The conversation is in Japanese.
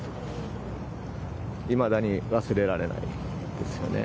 いまだに忘れられないですよね。